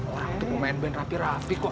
orang itu mau main band rapi rapi kok